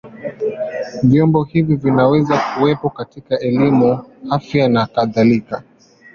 Vyombo hivyo vinaweza kuwepo katika elimu, afya na kadhalika.